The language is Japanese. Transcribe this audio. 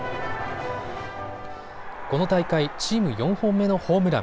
この大会チーム４本目のホームラン。